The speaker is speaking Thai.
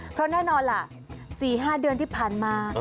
เพราะแน่นอนล่ะ๔๕เดือนที่ผ่านมา